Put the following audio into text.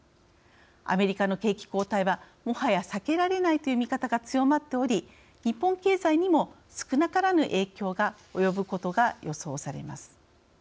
アメリカの景気後退はもはや避けられないという見方が強まっており日本経済にも少なからぬ影響が及ぶことが予想されます。